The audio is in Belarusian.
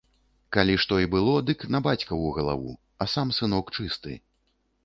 Калі што і было, дык на бацькаву галаву, а сам сынок чысты.